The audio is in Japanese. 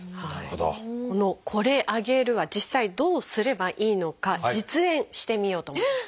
この「これあげる」は実際どうすればいいのか実演してみようと思います。